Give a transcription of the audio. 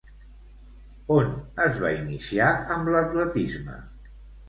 On es va iniciar amb l'atletisme?